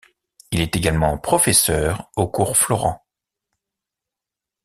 Il est également professeur au Cours Florent.